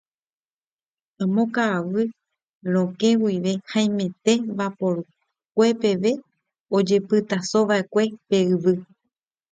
Amo Ka'aguy Rokẽ guive haimete vapor-kue peve ojepysova'ekue pe yvy.